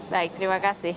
baik terima kasih